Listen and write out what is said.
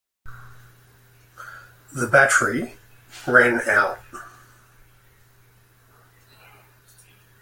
The battery ran out.